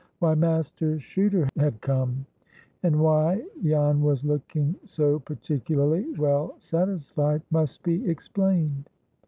Why Master Chuter had come, and why Jan was looking so particularly well satisfied, must be explained.